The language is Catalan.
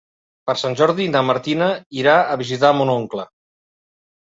Per Sant Jordi na Martina irà a visitar mon oncle.